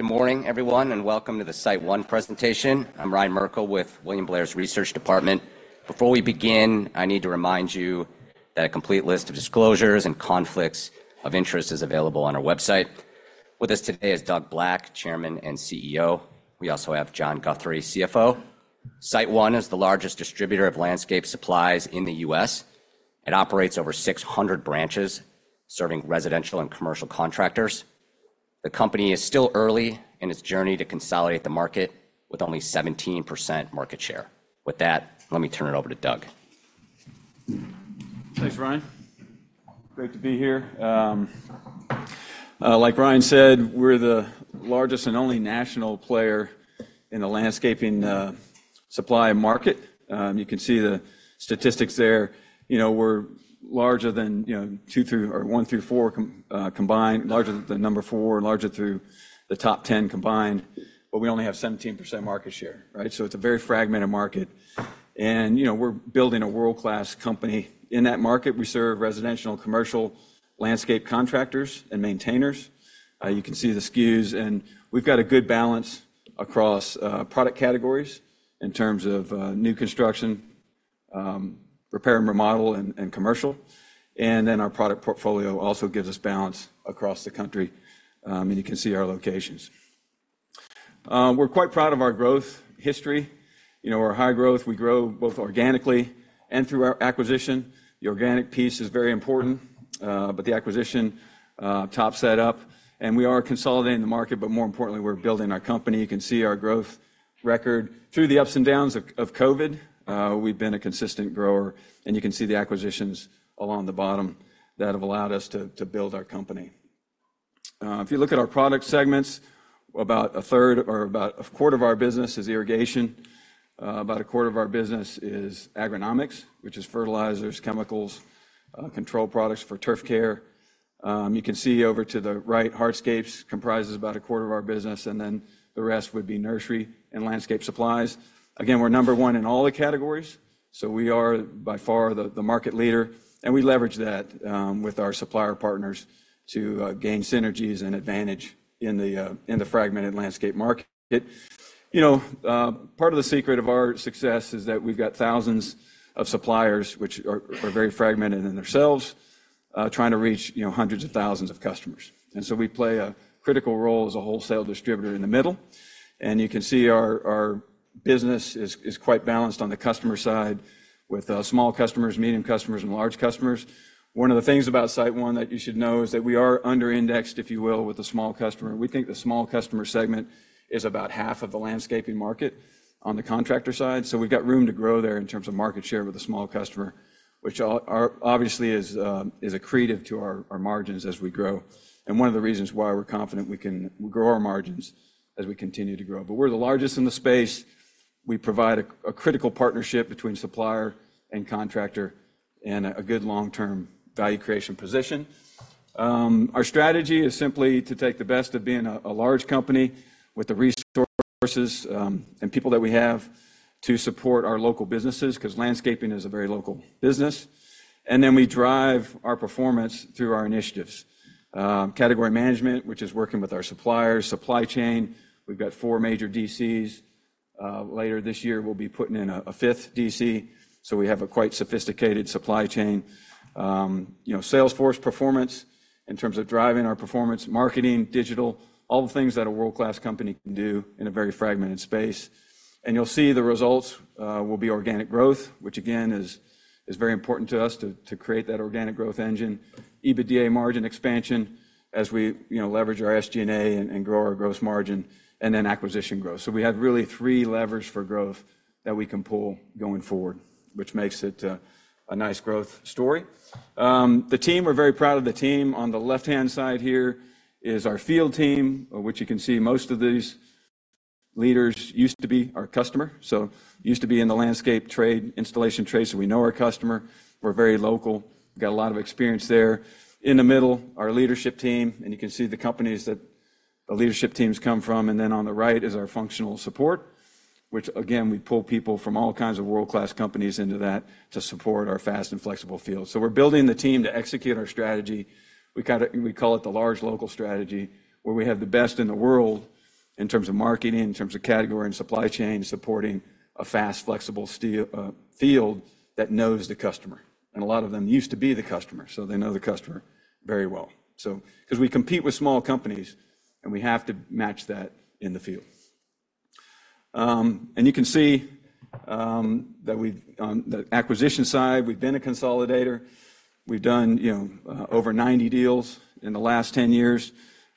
Good morning, everyone, and welcome to the SiteOne presentation. I'm Ryan Merkel with William Blair's research department. Before we begin, I need to remind you that a complete list of disclosures and conflicts of interest is available on our website. With us today is Doug Black, Chairman and CEO. We also have John Guthrie, CFO. SiteOne is the largest distributor of landscape supplies in the U.S. It operates over 600 branches, serving residential and commercial contractors. The company is still early in its journey to consolidate the market, with only 17% market share. With that, let me turn it over to Doug. Thanks, Ryan. Great to be here. Like Ryan said, we're the largest and only national player in the landscaping supply market. You can see the statistics there. You know, we're larger than, you know, two through or one through four combined, larger than number four and larger through the top 10 combined, but we only have 17% market share, right? So it's a very fragmented market. And, you know, we're building a world-class company. In that market, we serve residential, commercial, landscape contractors, and maintainers. You can see the SKUs, and we've got a good balance across product categories in terms of new construction, repair and remodel, and commercial. And then our product portfolio also gives us balance across the country, and you can see our locations. We're quite proud of our growth history. You know, we're high growth. We grow both organically and through our acquisition. The organic piece is very important, but the acquisition tops that up, and we are consolidating the market, but more importantly, we're building our company. You can see our growth record. Through the ups and downs of COVID, we've been a consistent grower, and you can see the acquisitions along the bottom that have allowed us to build our company. If you look at our product segments, about a third or about a quarter of our business is irrigation. About a quarter of our business is agronomics, which is fertilizers, chemicals, control products for turf care. You can see over to the right, hardscapes comprises about a quarter of our business, and then the rest would be nursery and landscape supplies. Again, we're number one in all the categories, so we are by far the market leader, and we leverage that with our supplier partners to gain synergies and advantage in the fragmented landscape market. You know, part of the secret of our success is that we've got thousands of suppliers, which are very fragmented in themselves trying to reach, you know, hundreds of thousands of customers. And so we play a critical role as a wholesale distributor in the middle. And you can see our business is quite balanced on the customer side with small customers, medium customers, and large customers. One of the things about SiteOne that you should know is that we are under-indexed, if you will, with the small customer. We think the small customer segment is about half of the landscaping market on the contractor side, so we've got room to grow there in terms of market share with the small customer, which obviously is accretive to our margins as we grow. One of the reasons why we're confident we can grow our margins as we continue to grow. We're the largest in the space. We provide a critical partnership between supplier and contractor and a good long-term value creation position. Our strategy is simply to take the best of being a large company with the resources and people that we have to support our local businesses, 'cause landscaping is a very local business. Then we drive our performance through our initiatives. Category management, which is working with our suppliers, supply chain. We've got four major DCs. Later this year, we'll be putting in a 5th DC, so we have a quite sophisticated supply chain. You know, sales force performance in terms of driving our performance, marketing, digital, all the things that a world-class company can do in a very fragmented space. And you'll see the results will be organic growth, which again is very important to us to create that organic growth engine. EBITDA margin expansion, as we you know, leverage our SG&A and grow our gross margin, and then acquisition growth. So we have really three levers for growth that we can pull going forward, which makes it a nice growth story. The team, we're very proud of the team. On the left-hand side here is our field team, of which you can see most of these leaders used to be our customer, so used to be in the landscape trade, installation trade. So we know our customer. We're very local, got a lot of experience there. In the middle, our leadership team, and you can see the companies that the leadership teams come from. And then on the right is our functional support, which again, we pull people from all kinds of world-class companies into that to support our fast and flexible field. So we're building the team to execute our strategy. We kind of call it the large local strategy, where we have the best in the world in terms of marketing, in terms of category and supply chain, supporting a fast, flexible store field that knows the customer, and a lot of them used to be the customer, so they know the customer very well. 'Cause we compete with small companies, and we have to match that in the field. And you can see that we've, on the acquisition side, we've been a consolidator. We've done over 90 deals in the last 10 years.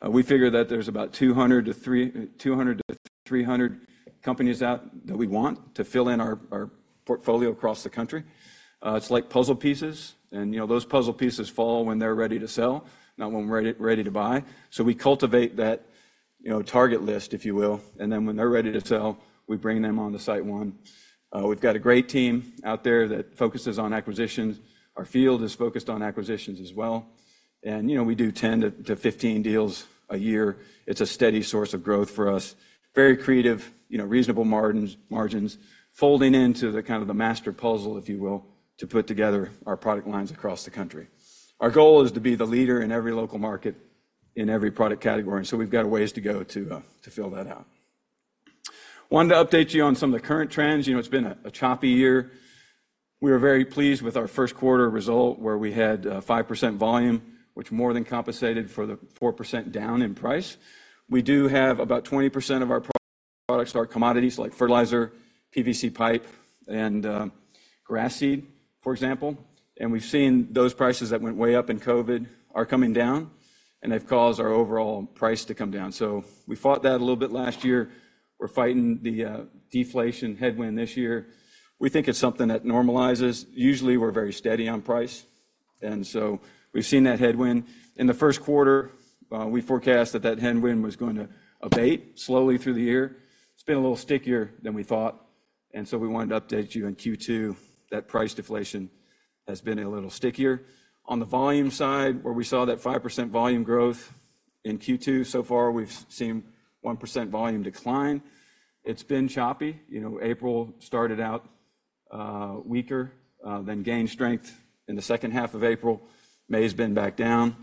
We figure that there's about 200-300 companies out there that we want to fill in our portfolio across the country. It's like puzzle pieces, and, you know, those puzzle pieces fall when they're ready to sell, not when we're ready to buy. So we cultivate that, you know, target list, if you will, and then when they're ready to sell, we bring them on to SiteOne. We've got a great team out there that focuses on acquisitions. Our field is focused on acquisitions as well, and, you know, we do 10-15 deals a year. It's a steady source of growth for us. Very creative, you know, reasonable margins, folding into the kind of the master puzzle, if you will, to put together our product lines across the country. Our goal is to be the leader in every local market, in every product category, and so we've got a ways to go to fill that out. Wanted to update you on some of the current trends. You know, it's been a choppy year. We are very pleased with our first quarter result, where we had 5% volume, which more than compensated for the 4% down in price. We do have about 20% of our products are commodities, like fertilizer, PVC pipe, and grass seed, for example, and we've seen those prices that went way up in COVID are coming down, and they've caused our overall price to come down. So we fought that a little bit last year. We're fighting the deflation headwind this year. We think it's something that normalizes. Usually, we're very steady on price, and so we've seen that headwind. In the first quarter, we forecast that that headwind was going to abate slowly through the year. It's been a little stickier than we thought, and so we wanted to update you on Q2, that price deflation has been a little stickier. On the volume side, where we saw that 5% volume growth in Q2, so far we've seen 1% volume decline. It's been choppy. You know, April started out weaker, then gained strength in the second half of April. May's been back down.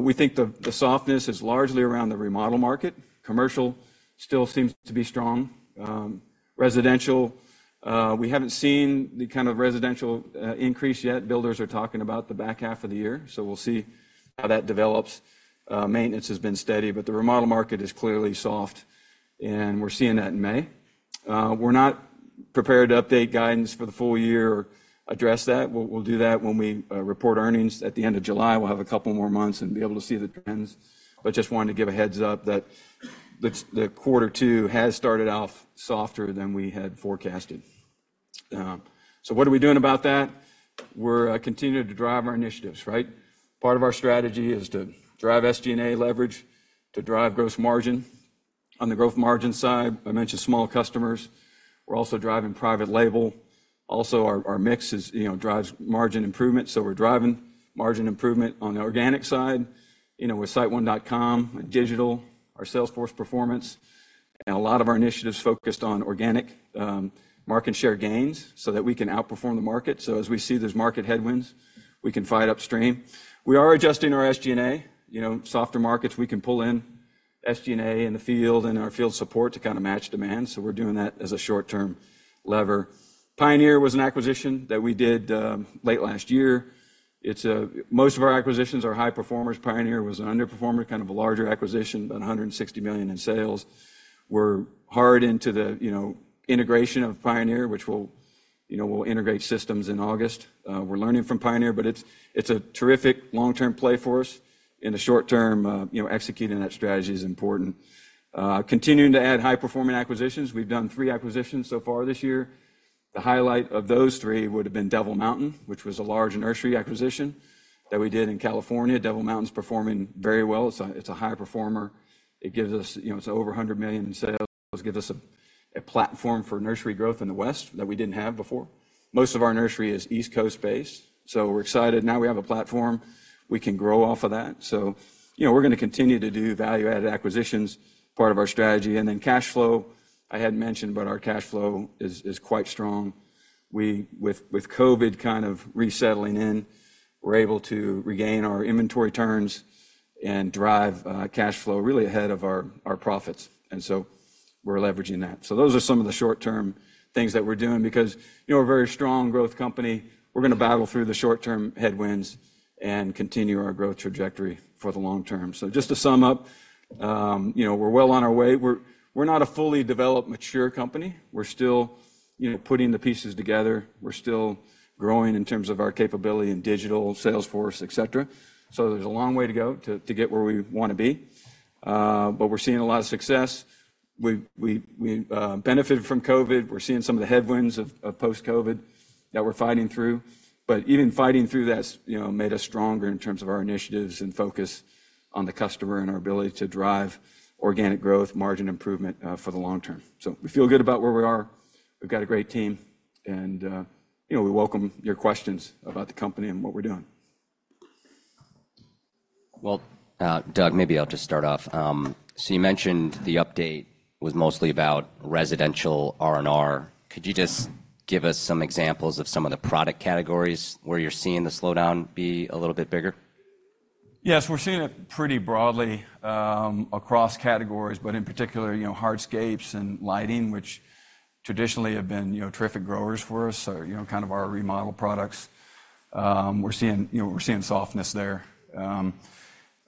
We think the softness is largely around the remodel market. Commercial still seems to be strong. Residential, we haven't seen the kind of residential increase yet. Builders are talking about the back half of the year, so we'll see how that develops. Maintenance has been steady, but the remodel market is clearly soft, and we're seeing that in May. We're not prepared to update guidance for the full year or address that. We'll do that when we report earnings at the end of July. We'll have a couple more months and be able to see the trends, but just wanted to give a heads-up that the quarter two has started off softer than we had forecasted. So what are we doing about that? We're continuing to drive our initiatives, right? Part of our strategy is to drive SG&A leverage, to drive gross margin. On the growth margin side, I mentioned small customers. We're also driving private label. Also, our mix is, you know, drives margin improvement, so we're driving margin improvement on the organic side, you know, with siteone.com, with digital, our sales force performance, and a lot of our initiatives focused on organic market share gains so that we can outperform the market. So as we see those market headwinds, we can fight upstream. We are adjusting our SG&A. You know, softer markets, we can pull in SG&A in the field and our field support to kinda match demand, so we're doing that as a short-term lever. Pioneer was an acquisition that we did, late last year. It's, most of our acquisitions are high performers. Pioneer was an underperformer, kind of a larger acquisition, about $160 million in sales. We're hard into the, you know, integration of Pioneer, which we'll, you know, we'll integrate systems in August. We're learning from Pioneer, but it's, it's a terrific long-term play for us. In the short term, you know, executing that strategy is important. Continuing to add high-performing acquisitions. We've done three acquisitions so far this year. The highlight of those three would've been Devil Mountain, which was a large nursery acquisition that we did in California. Devil Mountain's performing very well. It's a, it's a high performer. It gives us, you know, it's over $100 million in sales. Gives us a, a platform for nursery growth in the West that we didn't have before. Most of our nursery is East Coast-based, so we're excited. Now we have a platform. We can grow off of that. So, you know, we're gonna continue to do value-added acquisitions, part of our strategy. And then cash flow, I hadn't mentioned, but our cash flow is, is quite strong. We with, with COVID kind of resettling in, we're able to regain our inventory turns and drive cash flow really ahead of our, our profits, and so we're leveraging that. So those are some of the short-term things that we're doing because, you know, we're a very strong growth company. We're gonna battle through the short-term headwinds and continue our growth trajectory for the long term. So just to sum up, you know, we're well on our way. We're not a fully developed, mature company. We're still, you know, putting the pieces together. We're still growing in terms of our capability in digital, Salesforce, et cetera. So there's a long way to go to get where we wanna be, but we're seeing a lot of success. We benefited from COVID. We're seeing some of the headwinds of post-COVID that we're fighting through. But even fighting through that's, you know, made us stronger in terms of our initiatives and focus on the customer and our ability to drive organic growth, margin improvement, for the long term. So we feel good about where we are. We've got a great team, and, you know, we welcome your questions about the company and what we're doing. Well, Doug, maybe I'll just start off. So you mentioned the update was mostly about residential RNR. Could you just give us some examples of some of the product categories where you're seeing the slowdown be a little bit bigger? Yes, we're seeing it pretty broadly across categories, but in particular, you know, hardscapes and lighting, which traditionally have been, you know, terrific growers for us. So, you know, kind of our remodel products. We're seeing, you know, we're seeing softness there.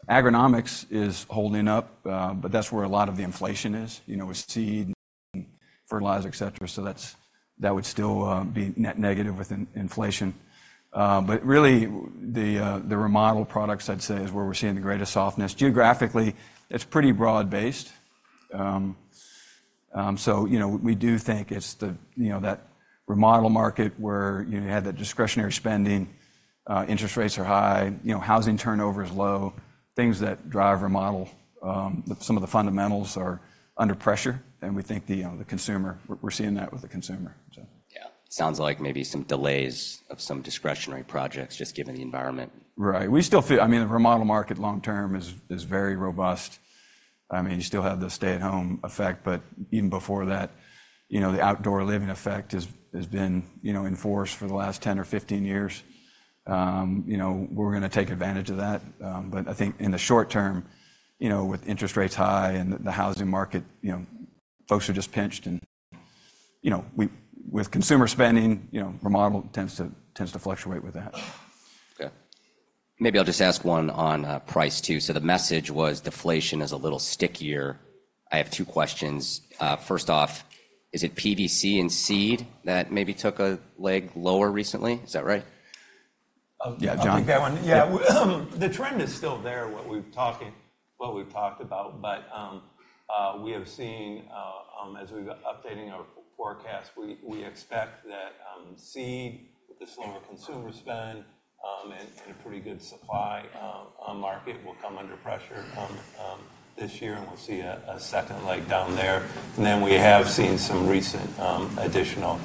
Agronomics is holding up, but that's where a lot of the inflation is, you know, with seed, fertilizer, et cetera. So that's, that would still be negative with inflation. But really, the, the remodel products, I'd say, is where we're seeing the greatest softness. Geographically, it's pretty broad-based. So, you know, we do think it's the, you know, that remodel market where you had the discretionary spending, interest rates are high, you know, housing turnover is low, things that drive remodel. Some of the fundamentals are under pressure, and we think the consumer, we're seeing that with the consumer, so... Yeah. Sounds like maybe some delays of some discretionary projects, just given the environment. Right. We still feel, I mean, the remodel market long term is very robust. I mean, you still have the stay-at-home effect, but even before that, you know, the outdoor living effect has been, you know, in force for the last 10 or 15 years. You know, we're gonna take advantage of that, but I think in the short term, you know, with interest rates high and the housing market, you know, folks are just pinched and, you know, with consumer spending, you know, remodel tends to fluctuate with that. Okay. Maybe I'll just ask one on price, too. So the message was deflation is a little stickier. I have two questions. First off, is it PVC and seed that maybe took a leg lower recently? Is that right? Yeah, John. I'll take that one. Yeah, the trend is still there, what we've talked about. But, as we've been updating our forecast, we expect that see the slower consumer spend and a pretty good supply on market will come under pressure this year, and we'll see a second leg down there. And then we have seen some recent additional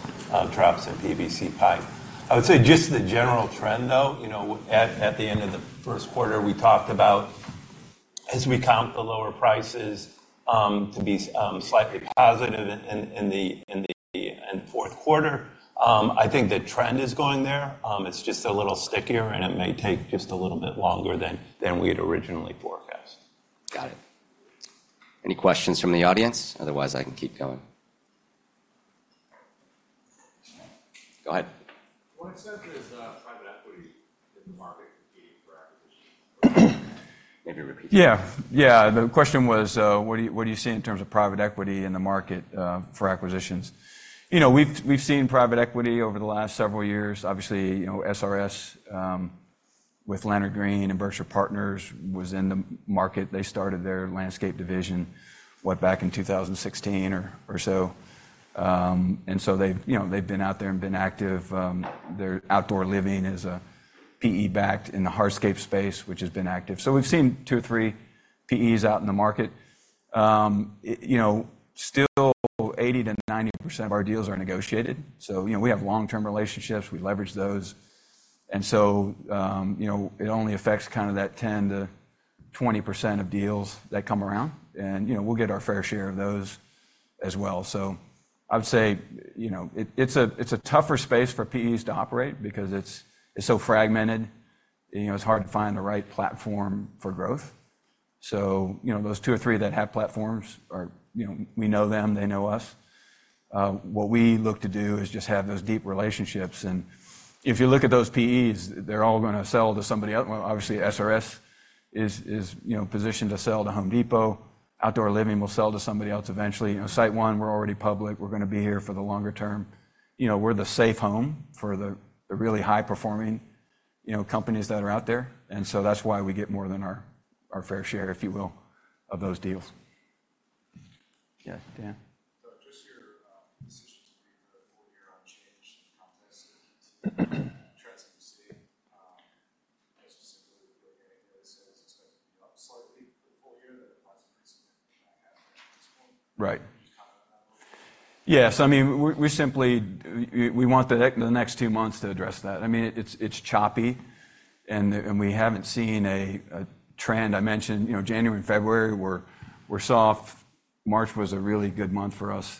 drops in PVC pipe. I would say just the general trend, though, you know, at the end of the first quarter, we talked about as we account for the lower prices to be slightly positive in the fourth quarter. I think the trend is going there, it's just a little stickier, and it may take just a little bit longer than we had originally forecast. Got it. Any questions from the audience? Otherwise, I can keep going. Go ahead. What extent is private equity in the market competing for acquisition? Maybe repeat. Yeah, yeah. The question was, what do you see in terms of private equity in the market for acquisitions? You know, we've seen private equity over the last several years. Obviously, you know, SRS with Leonard Green and Berkshire Partners was in the market. They started their landscape division, what, back in 2016 or so. And so they've, you know, they've been out there and been active. Their outdoor living is a PE-backed in the hardscape space, which has been active. So we've seen two or three PEs out in the market. You know, still 80%-90% of our deals are negotiated, so, you know, we have long-term relationships, we leverage those. And so, you know, it only affects kind of that 10%-20% of deals that come around, and, you know, we'll get our fair share of those as well. So I would say, you know, it's a tougher space for PEs to operate because it's so fragmented, you know, it's hard to find the right platform for growth. So, you know, those two or three that have platforms are, you know, we know them, they know us. What we look to do is just have those deep relationships, and if you look at those PEs, they're all gonna sell to somebody else. Well, obviously, SRS is, you know, positioned to sell to Home Depot. Outdoor Living will sell to somebody else eventually. You know, SiteOne, we're already public, we're gonna be here for the longer term. You know, we're the safe home for the really high-performing, you know, companies that are out there, and so that's why we get more than our fair share, if you will, of those deals. Yeah, Dan? So just your decision to bring the full year unchanged in the context of trends that you see as simply as your earnings is expected to be up slightly for the full year, but it was pretty significant back half at this point. Right. Can you comment on that a little? Yes, I mean, we simply want the next two months to address that. I mean, it's choppy, and we haven't seen a trend. I mentioned, you know, January and February were soft. March was a really good month for us.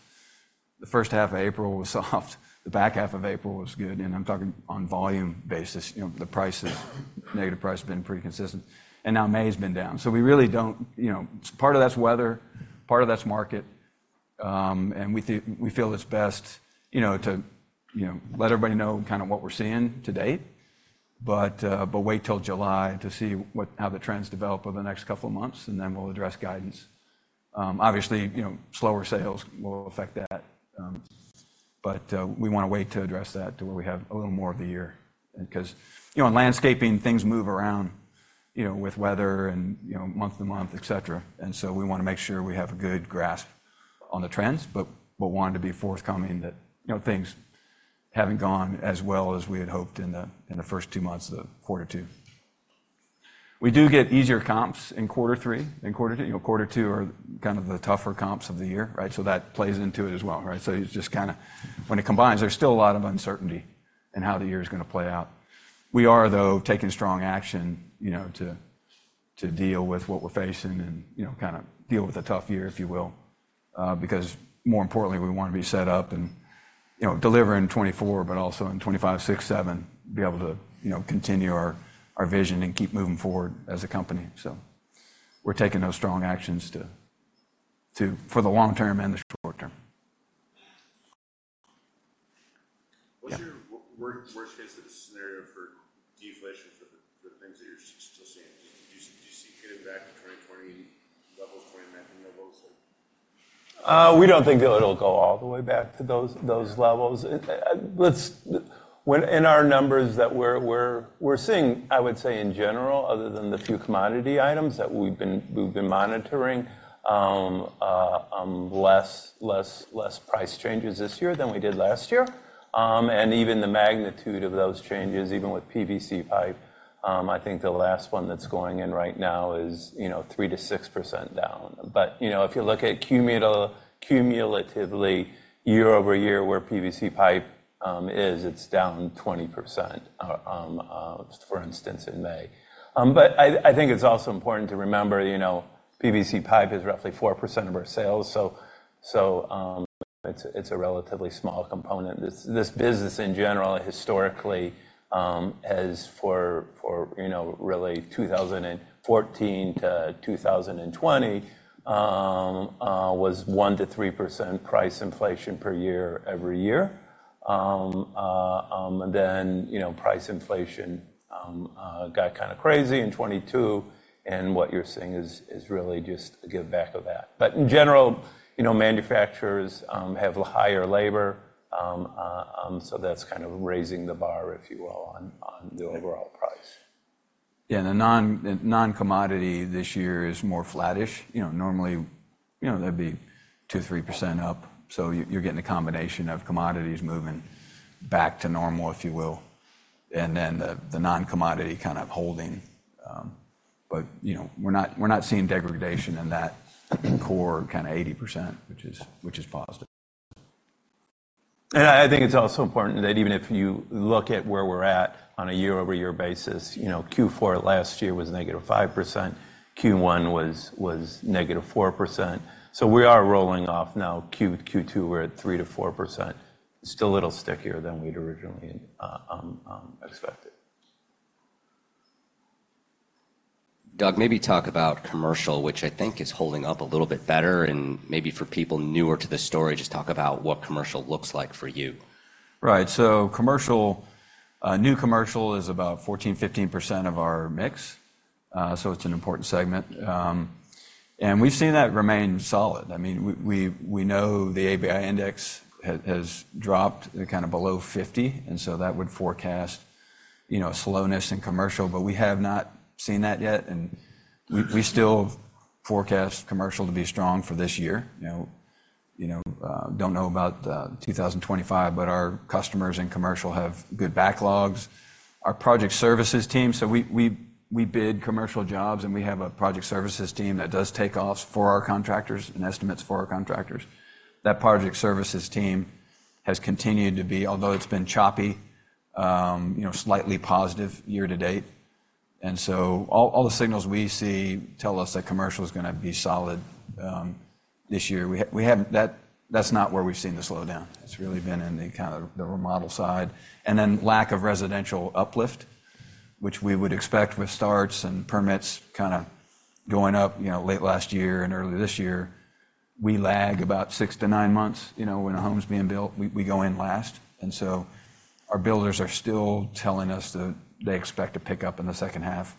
The first half of April was soft, the back half of April was good, and I'm talking on volume basis. You know, the pricing has been negative. Pricing has been pretty consistent, and now May has been down. So we really don't, you know. Part of that's weather, part of that's market, and we feel it's best, you know, to let everybody know kind of what we're seeing to date. But wait till July to see how the trends develop over the next couple of months, and then we'll address guidance. Obviously, you know, slower sales will affect that, but we want to wait to address that to where we have a little more of the year. Because, you know, in landscaping, things move around, you know, with weather and, you know, month to month, etc. And so we want to make sure we have a good grasp on the trends, but, but wanted to be forthcoming that, you know, things haven't gone as well as we had hoped in the first two months of quarter two. We do get easier comps in quarter three and quarter two. You know, quarter two are kind of the tougher comps of the year, right? So that plays into it as well, right? So it's just kinda, when it combines, there's still a lot of uncertainty in how the year is gonna play out. We are, though, taking strong action, you know, to, to deal with what we're facing and, you know, kind of deal with a tough year, if you will. Because more importantly, we want to be set up and, you know, deliver in 2024, but also in 2025, 2026, 2027, be able to, you know, continue our, our vision and keep moving forward as a company. So we're taking those strong actions to for the long term and the short term. Yeah. What's your worst case scenario for deflation for the things that you're still seeing? Do you see it getting back to 2020 levels, 2019 levels or? We don't think that it'll go all the way back to those levels. When in our numbers that we're seeing, I would say, in general, other than the few commodity items that we've been monitoring, less price changes this year than we did last year. And even the magnitude of those changes, even with PVC pipe, I think the last one that's going in right now is, you know, 3%-6% down. But, you know, if you look at cumulatively, year-over-year, where PVC pipe is, it's down 20%, for instance, in May. But I think it's also important to remember, you know, PVC pipe is roughly 4% of our sales, so- So, it's a relatively small component. This business in general, historically, has, for you know, really 2014 to 2020, was 1%-3% price inflation per year, every year. And then, you know, price inflation got kind of crazy in 2022, and what you're seeing is really just a giveback of that. But in general, you know, manufacturers have higher labor, so that's kind of raising the bar, if you will, on the overall price. Yeah, the non-commodity this year is more flattish. You know, normally, you know, that'd be 2%-3% up, so you're getting a combination of commodities moving back to normal, if you will, and then the non-commodity kind of holding. But, you know, we're not seeing degradation in that core kind of 80%, which is positive. And I think it's also important that even if you look at where we're at on a year-over-year basis, you know, Q4 last year was -5%, Q1 was -4%. So we are rolling off now. Q2, we're at 3%-4%. Still a little stickier than we'd originally expected. Doug, maybe talk about commercial, which I think is holding up a little bit better, and maybe for people newer to the story, just talk about what commercial looks like for you. Right. So commercial, new commercial is about 14%-15% of our mix, so it's an important segment. And we've seen that remain solid. I mean, we know the ABI index has dropped to kind of below 50, and so that would forecast, you know, a slowness in commercial, but we have not seen that yet, and we still forecast commercial to be strong for this year. You know, don't know about 2025, but our customers in commercial have good backlogs. Our project services team, so we bid commercial jobs, and we have a project services team that does takeoffs for our contractors and estimates for our contractors. That project services team has continued to be, although it's been choppy, you know, slightly positive year to date. And so all the signals we see tell us that commercial is gonna be solid this year. We haven't, that's not where we've seen the slowdown. It's really been in the kind of the remodel side, and then lack of residential uplift, which we would expect with starts and permits kinda going up, you know, late last year and early this year. We lag about six to nine months, you know, when a home's being built, we go in last, and so our builders are still telling us that they expect a pickup in the second half.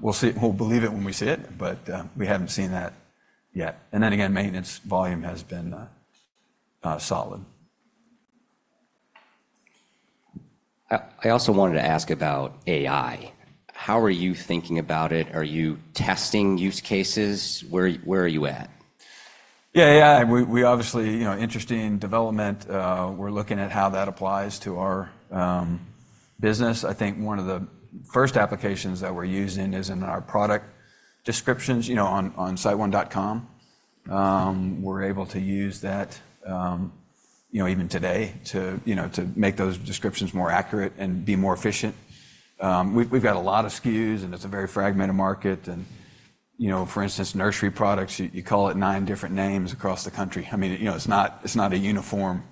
We'll see, we'll believe it when we see it, but we haven't seen that yet. And then again, maintenance volume has been solid. I also wanted to ask about AI. How are you thinking about it? Are you testing use cases? Where are you at? Yeah, yeah. We obviously, you know, interesting development. We're looking at how that applies to our business. I think one of the first applications that we're using is in our product descriptions, you know, on siteone.com. We're able to use that, you know, to make those descriptions more accurate and be more efficient. We've got a lot of SKUs, and it's a very fragmented market, and, you know, for instance, nursery products, you call it nine different names across the country. I mean, you know, it's not a uniform.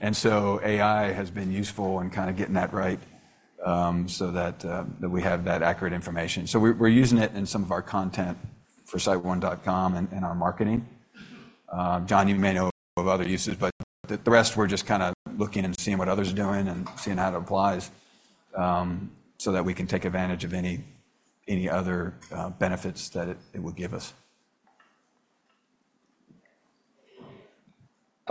And so AI has been useful in kinda getting that right, so that we have that accurate information. So we're using it in some of our content for siteone.com and our marketing. John, you may know of other uses, but the rest, we're just kinda looking and seeing what others are doing and seeing how it applies, so that we can take advantage of any other benefits that it will give us.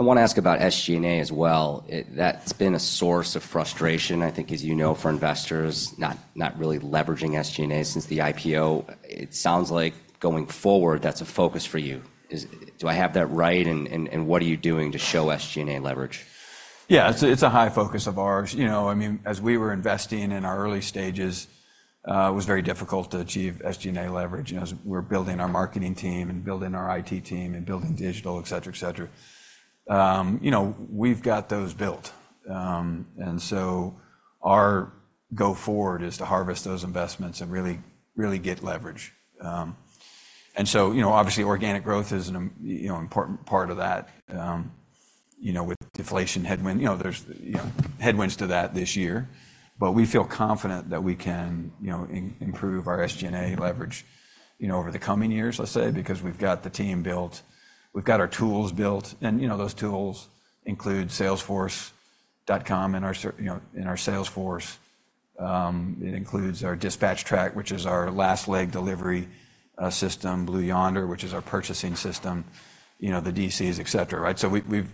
I wanna ask about SG&A as well. That's been a source of frustration, I think, as you know, for investors, not really leveraging SG&A since the IPO. It sounds like going forward, that's a focus for you. Do I have that right, and what are you doing to show SG&A leverage? Yeah, it's a high focus of ours. You know, I mean, as we were investing in our early stages, it was very difficult to achieve SG&A leverage, you know, as we're building our marketing team, and building our IT team, and building digital, et cetera, et cetera. You know, we've got those built. And so our go-forward is to harvest those investments and really, really get leverage. And so, you know, obviously, organic growth is an important part of that. You know, with deflation headwind, you know, there's headwinds to that this year. But we feel confident that we can improve our SG&A leverage, you know, over the coming years, let's say, because we've got the team built, we've got our tools built, and, you know, those tools include Salesforce.com in our cer... You know, in our Salesforce. It includes our DispatchTrack, which is our last-mile delivery system, Blue Yonder, which is our purchasing system, you know, the DCs, etc., right? So we've, you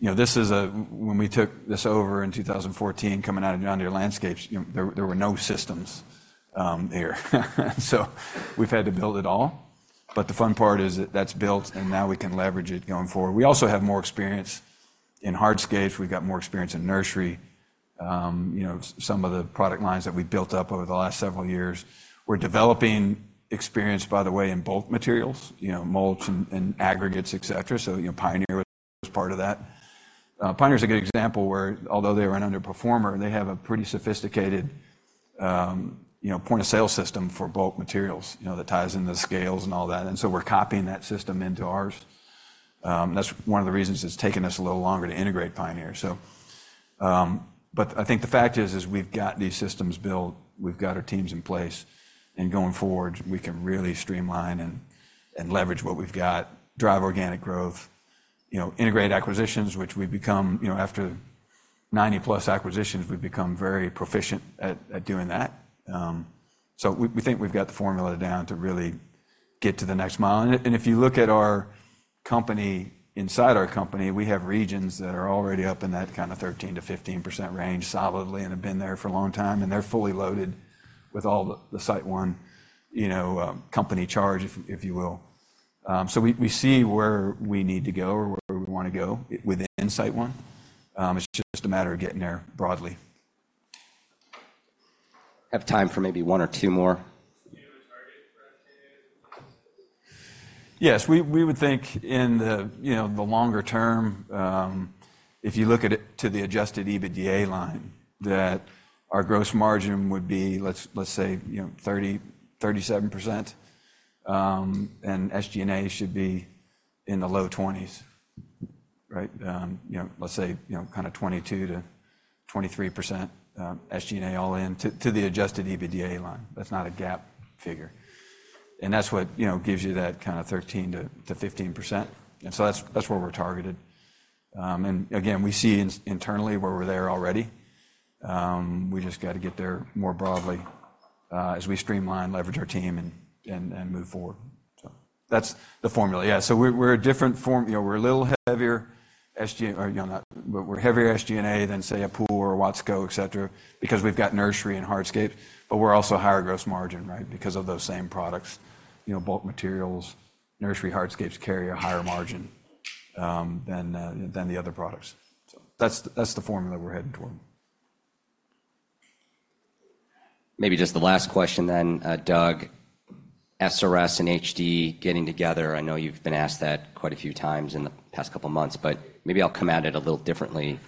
know, this is a-- when we took this over in 2014, coming out of John Deere Landscapes, you know, there were no systems there. So we've had to build it all, but the fun part is that's built, and now we can leverage it going forward. We also have more experience in hardscapes, we've got more experience in nursery. You know, some of the product lines that we've built up over the last several years. We're developing experience, by the way, in bulk materials, you know, mulch and aggregates, etc., so, you know, Pioneer is part of that. Pioneer is a good example where although they were an underperformer, they have a pretty sophisticated, you know, point-of-sale system for bulk materials, you know, that ties into the scales and all that, and so we're copying that system into ours. That's one of the reasons it's taken us a little longer to integrate Pioneer. So, but I think the fact is, is we've got these systems built, we've got our teams in place, and going forward, we can really streamline and, and leverage what we've got, drive organic growth, you know, integrate acquisitions, which we've become, you know, after 90+ acquisitions, we've become very proficient at, at doing that. So we, we think we've got the formula down to really get to the next mile. If you look at our company, inside our company, we have regions that are already up in that kind of 13%-15% range solidly and have been there for a long time, and they're fully loaded with all the SiteOne, you know, company charge, if you will. So we see where we need to go or where we wanna go within SiteOne. It's just a matter of getting there broadly. Have time for maybe one or two more. Do you have a target for that too? Yes, we would think in the, you know, the longer term, if you look at it to the adjusted EBITDA line, that our gross margin would be, let's say, you know, 37%. And SG&A should be in the low 20%s, right? You know, let's say, you know, kinda 22%-23%, SG&A all in to the adjusted EBITDA line. That's not a GAAP figure. And that's what, you know, gives you that kinda 13%-15%, and so that's where we're targeted. And again, we see internally where we're there already. We just gotta get there more broadly, as we streamline, leverage our team, and move forward. So that's the formula. Yeah, so we're a different form, you know, we're a little heavier SG... Or, you know, not, but we're heavier SG&A than, say, a Pool or a Watsco, et cetera, because we've got nursery and hardscape, but we're also a higher gross margin, right? Because of those same products. You know, bulk materials, nursery, hardscapes carry a higher margin than the other products. So that's the formula we're heading toward. Maybe just the last question then, Doug. SRS and HD getting together, I know you've been asked that quite a few times in the past couple of months, but maybe I'll come at it a little differently.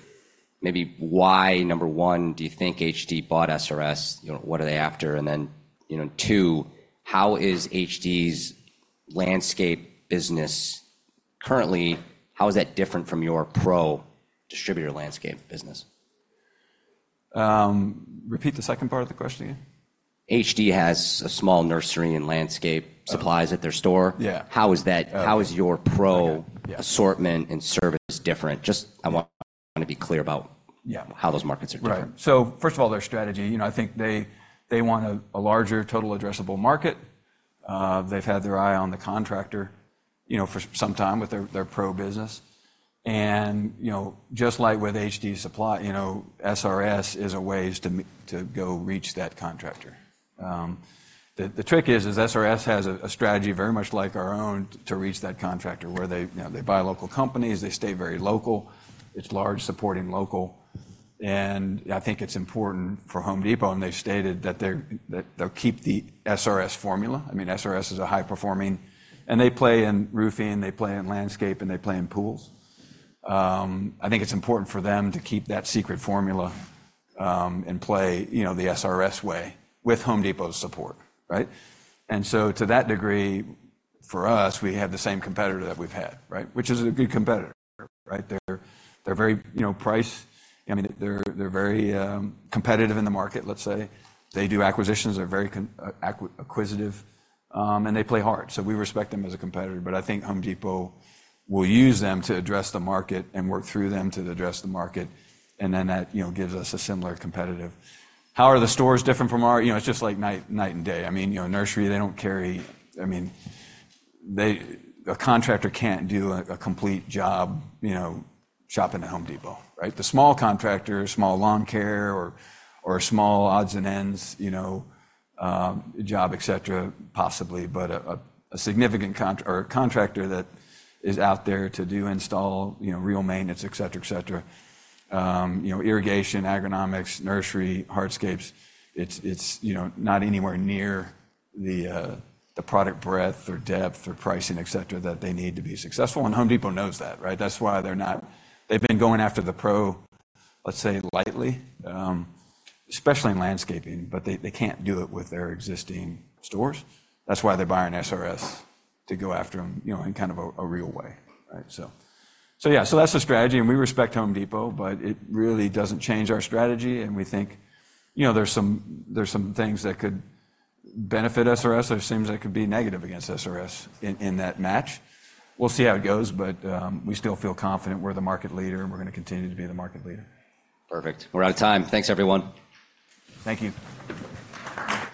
Maybe why, number one, do you think HD bought SRS? You know, what are they after? And then, you know, two, how is HD's landscape business currently, how is that different from your pro distributor landscape business? Repeat the second part of the question again. HD has a small nursery and landscape- Oh. Supplies at their store. Yeah. How is that- Oh. How is your pro- Yeah Assortment and service different? Just, I want to be clear about- Yeah how those markets are different. Right. So first of all, their strategy, you know, I think they want a larger total addressable market. They've had their eye on the contractor, you know, for some time with their pro business. And, you know, just like with HD Supply, you know, SRS is a ways to go to reach that contractor. The trick is SRS has a strategy very much like our own to reach that contractor, where they, you know, they buy local companies, they stay very local. It's large, supporting local, and I think it's important for Home Depot, and they've stated that they're that they'll keep the SRS formula. I mean, SRS is a high-performing, and they play in roofing, they play in landscape, and they play in pools. I think it's important for them to keep that secret formula, and play, you know, the SRS way with Home Depot's support, right? And so to that degree, for us, we have the same competitor that we've had, right? Which is a good competitor, right? They're very, you know, price, I mean, they're very competitive in the market, let's say. They do acquisitions, they're very acquisitive, and they play hard. So we respect them as a competitor, but I think Home Depot will use them to address the market and work through them to address the market, and then that, you know, gives us a similar competitive. How are the stores different from our, you know, it's just like night and day. I mean, you know, nursery, they don't carry... I mean, a contractor can't do a complete job, you know, shopping at Home Depot, right? The small contractor, small lawn care or a small odds and ends, you know, job, et cetera, possibly, but a significant contractor that is out there to do install, you know, real maintenance, et cetera, you know, irrigation, agronomics, nursery, hardscapes, it's you know, not anywhere near the product breadth or depth or pricing, et cetera, that they need to be successful, and Home Depot knows that, right? That's why they're not. They've been going after the pro, let's say, lightly, especially in landscaping, but they can't do it with their existing stores. That's why they're buying SRS, to go after them, you know, in kind of a real way, right? Yeah, that's the strategy, and we respect Home Depot, but it really doesn't change our strategy, and we think, you know, there's some things that could benefit SRS, there's things that could be negative against SRS in that match. We'll see how it goes, but we still feel confident we're the market leader, and we're gonna continue to be the market leader. Perfect. We're out of time. Thanks, everyone. Thank you.